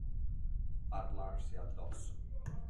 Parlarsi addosso.